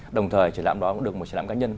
đồng thời trải lãm đó cũng được một trải lãm cá nhân